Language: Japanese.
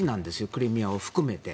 クリミアを含めて。